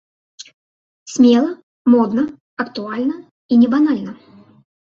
Смела, модна, актуальна і не банальна!